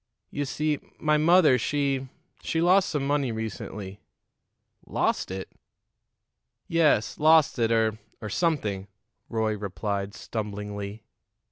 You see my mother, she she lost some money recently." "Lost it?" "Yes; lost it, or or something," Roy replied stumblingly.